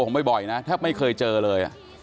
ผมบ่อยนะแทบไม่เคยเจอเลย